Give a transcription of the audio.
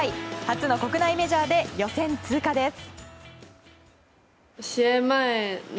初の国内メジャーで予選通過です。